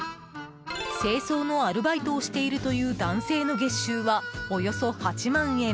清掃のアルバイトをしているという男性の月収はおよそ８万円。